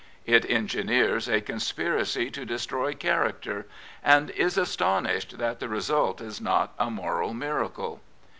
It engineers a conspiracy to destroy character, and is astonished that the result is not a moral miracle.